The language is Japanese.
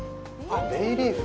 あっ、ベイリーフ！？